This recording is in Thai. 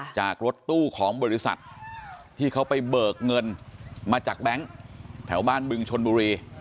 จากรถตู้ของบริษัทที่เขาไปเบิกเงินมาจากแบงค์แถวบ้านบึงชนบุรี